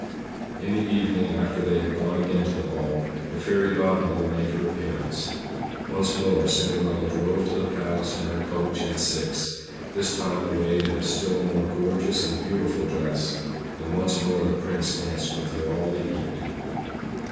In the evening after they had gone again to the ball, the Fairy Godmother made her appearance. Once more Cinderella drove to the Palace in her coach and six; this time arrayed in a still more gorgeous and beautiful dress; and once more the Prince danced with her all the evening.